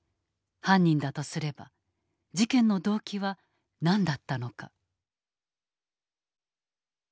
犯人だとすれば事件の動機は何だったのか。